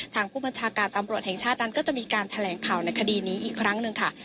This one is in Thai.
ทางผู้บัญชาการตำรวจแห่งชาตินั้นก็จะมีการแถลงข่าวในคดีนี้อีกครั้งหนึ่งค่ะ